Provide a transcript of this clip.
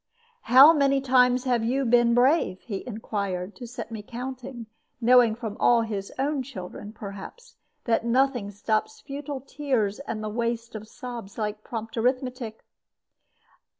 "How many times have you been brave?" he inquired, to set me counting, knowing from all his own children, perhaps, that nothing stops futile tears and the waste of sobs like prompt arithmetic.